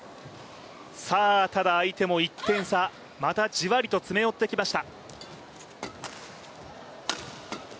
ただ相手も１点差、またじわりと詰め寄ってきました。